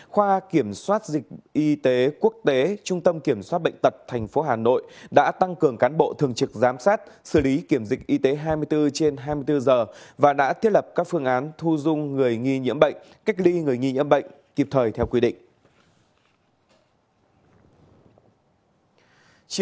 khoa kiểm soát dịch y tế quốc tế trung tâm kiểm soát bệnh tật tp hà nội đã tăng cường cán bộ thường trực giám sát xử lý kiểm dịch y tế hai mươi bốn trên hai mươi bốn giờ và đã thiết lập các phương án thu dung người nghi nhiễm bệnh cách ly người nghi nhiễm bệnh kịp thời theo quy định